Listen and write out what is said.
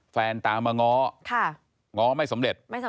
ตามมาง้อง้อไม่สำเร็จ